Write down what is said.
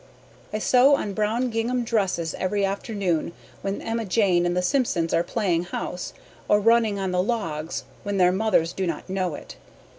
I sew on brown gingham dresses every afternoon when Emma Jane and the Simpsons are playing house or running on the Logs when their mothers do not know it.